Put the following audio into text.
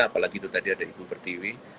apalagi itu tadi ada ibu pertiwi